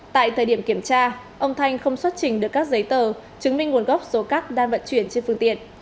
tại thời điểm kiểm tra ông thanh không xuất trình được các giấy tờ chứng minh nguồn gốc số cát đang vận chuyển trên phương tiện